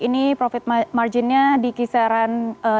ini profit marginnya di kisaran tiga tujuh